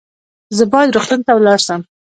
زه باید روغتون ته ولاړ سم